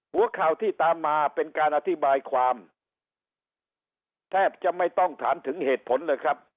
หัวข่าวที่ตามมาเป็นการอธิบายความแทบจะไม่ต้องถามถึงเหตุผลเลยครับ